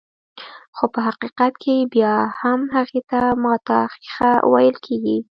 خو په حقيقت کې بيا هم هغې ته ماته ښيښه ويل کيږي.